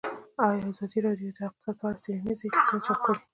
ازادي راډیو د اقتصاد په اړه څېړنیزې لیکنې چاپ کړي.